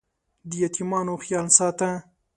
د یتیمانو خیال یې ساته.